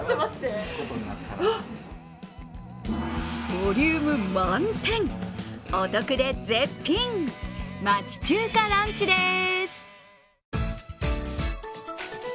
ボリューム満点、お得で絶品、町中華ランチでーす。